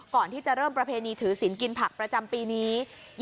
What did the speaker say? ก่อนที่จะเริ่มประเพณีถือศิลปกินผักประจำปีนี้